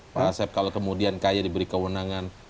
pak asep kalau kemudian kay diberi kewenangan